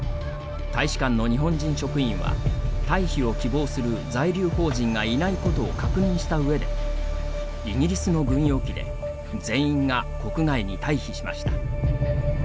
大使館の日本人職員は退避を希望する在留邦人がいないことを確認した上でイギリスの軍用機で全員が国外に退避しました。